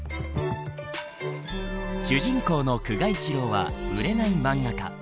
主人公の久我一郎は売れない漫画家。